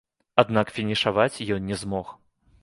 Аднак фінішаваць ён не змог.